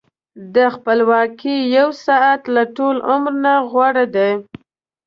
د خپلواکۍ یو ساعت له ټول عمر نه غوره دی.